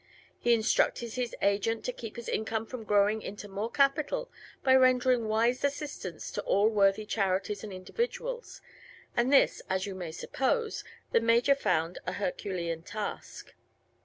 He instructed his agent to keep his income from growing into more capital by rendering wise assistance to all worthy charities and individuals, and this, as you may suppose, the Major found a herculean task.